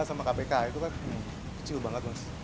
sama kpk itu kan kecil banget mas